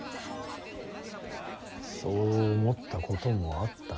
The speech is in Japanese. そう思ったこともあった。